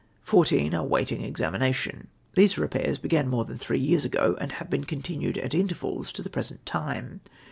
fourteen are waiting examina tion. These repairs began more than three j^ears ago, and have been continued at intervals to the present time.